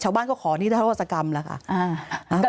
ชาวบ้านก็ขอนิทธรรมศกรรมแล้วค่ะ